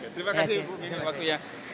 terima kasih ibu